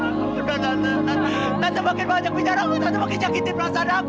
udah tante tante tante makin banyak bicara tante makin jangkiti perasaan aku